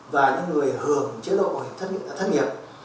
và những người hưởng chế độ bảo hiểm thất nghiệp